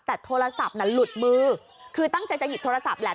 แต่โทรศัพท์น่ะหลุดมือคือตั้งใจจะหยิบโทรศัพท์แหละ